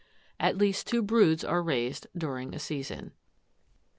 At least two broods are raised during a season.